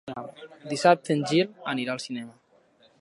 Dissabte en Gil anirà al cinema.